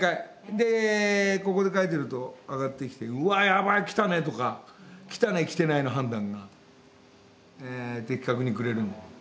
でここで描いてると上がってきて「うわっやばいきたね」とか「きたね」「きてない」の判断が的確にくれるんで。